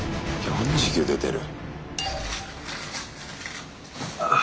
４９出てる。